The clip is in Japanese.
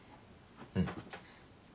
うん。